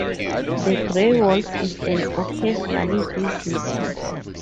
The gray wolf is an occasional visitor.